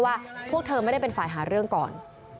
ว่าพวกเธอไม่ได้เป็นฝ่ายหาเรื่องก่อน